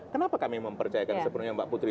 kenapa kami mempercayakan sepenuhnya mbak putri